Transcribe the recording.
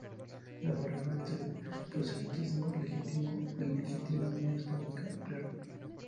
La barrera entre proselitismo legítimo e ilegítimo no está muy clara.